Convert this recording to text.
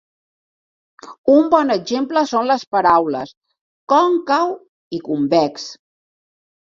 Un bon exemple són les paraules "còncau" i "convex".